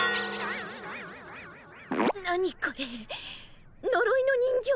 何これのろいの人形？